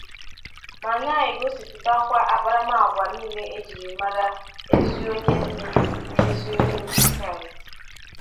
ma na-egosipụtakwa akparamaagwa niile e jiri mara ezi onye nne na ezi onye otu Christ